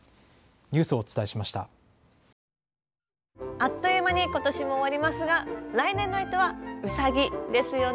あっという間に今年も終わりますが来年の干支はうさぎですよね。